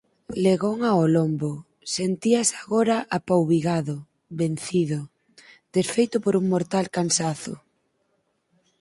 legón ao lombo, sentíase agora apouvigado, vencido, desfeito por un mortal cansazo